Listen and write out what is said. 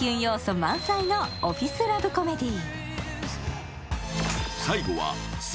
満載のオフィスラブコメディー。